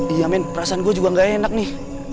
iya men perasaan gua juga gak enak nih